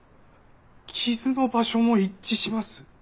傷の場所も一致します。